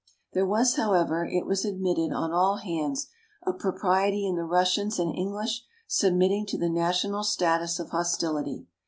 There was, however, it was admitted on all hands, a pro priety in the Russians and English submittingto the national status of hostility.